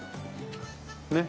ねっ。